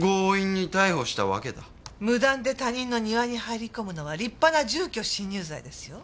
無断で他人の庭に入り込むのは立派な住居侵入罪ですよ。